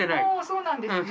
そうなんですね。